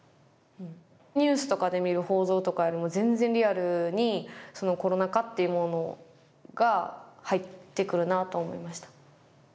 ニュースとかで見る報道とかよりも全然リアルにコロナ禍っていうものが入ってくるなと思いました。